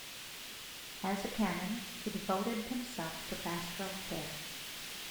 As a canon, he devoted himself to pastoral care.